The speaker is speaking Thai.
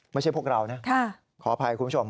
พวกเรานะขออภัยคุณผู้ชม